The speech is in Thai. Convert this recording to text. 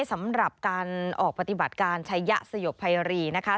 สำหรับการออกปฏิบัติการชัยยะสยบภัยรีนะคะ